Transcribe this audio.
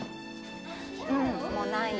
うんもうないの。